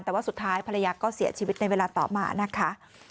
แต่ว่าสุดท้ายภรรยาก็เสียชีวิตในเวลาต่อมานะคะ